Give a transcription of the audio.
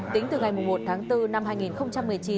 tính từ ngày một tháng bốn năm hai nghìn một mươi chín